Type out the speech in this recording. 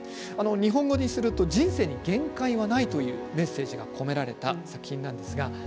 日本語にすると人生に限界はないというメッセージが込められた作品です。